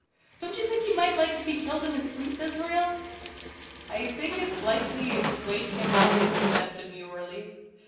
Don't you think he might be killed in his sleep, Israel?" "I think it's likely it would wake him up," said he, demurely.